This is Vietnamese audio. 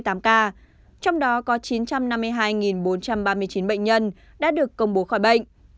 trong đó có chín trăm năm mươi hai bốn trăm ba mươi chín bệnh nhân đã được công bố khỏi bệnh